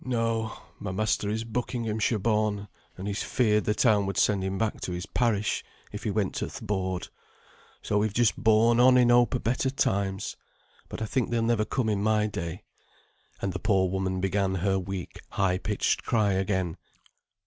_] "No; my master is Buckinghamshire born; and he's feared the town would send him back to his parish, if he went to th' board; so we've just borne on in hope o' better times. But I think they'll never come in my day;" and the poor woman began her weak high pitched cry again.